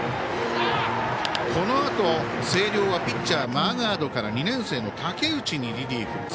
このあと、星稜はピッチャーがマーガードから２年生の武内にリリーフ。